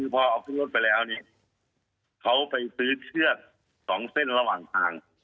พอเอาขึ้นรถไปแล้วเนี่ยเขาไปซื้อเชือก๒เส้นระหว่างทาง